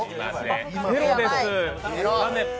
ゼロです。